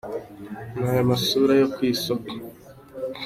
Naya masura yo kwisoko